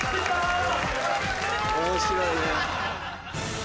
面白いね。